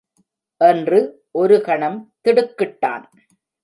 என்று ஒரு கணம் திடுக்கிட்டான்.